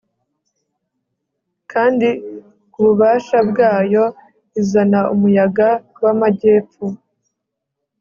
kandi ku bubasha bwayo izana umuyaga w'amajyepfo